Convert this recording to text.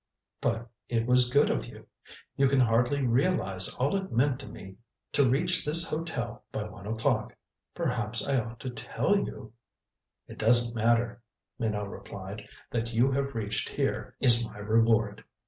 "But it was good of you. You can hardly realize all it meant to me to reach this hotel by one o'clock. Perhaps I ought to tell you " "It doesn't matter," Minot replied. "That you have reached here is my reward."